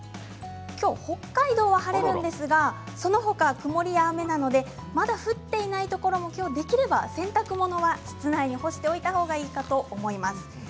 きょう北海道は晴れるんですがそのほかは曇りや雨などまだ降っていないところもきょうできれば洗濯物は室内に干しておいたほうがいいかと思います。